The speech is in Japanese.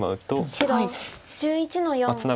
白１１の四ツケ。